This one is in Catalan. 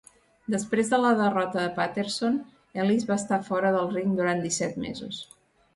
Després de la derrota de Patterson, Ellis va estar fora del ring durant disset mesos.